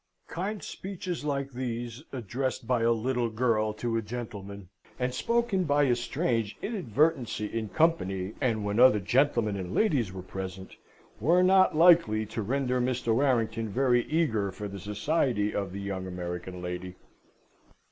Kind speeches like these addressed by a little girl to a gentleman, and spoken by a strange inadvertency in company, and when other gentlemen and ladies were present, were not likely to render Mr. Warrington very eager for the society of the young American lady.